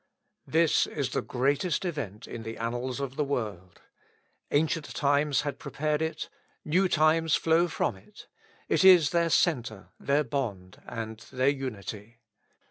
This is the greatest event in the annals of the world. Ancient times had prepared it, new times flow from it. It is their centre, their bond, and their unity.